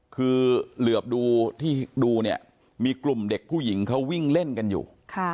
คือเหลือบดูที่ดูเนี่ยมีกลุ่มเด็กผู้หญิงเขาวิ่งเล่นกันอยู่